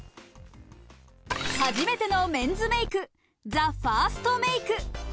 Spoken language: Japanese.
初めてのメンズメイク、ＴＨＥＦＩＲＳＴＭＡＫＥ。